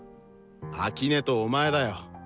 秋音とお前だよ。